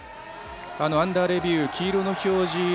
アンダーレビュー、黄色の表示